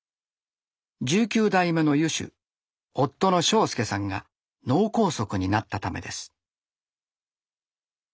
１９代目の湯主夫の昇介さんが脳梗塞になったためです。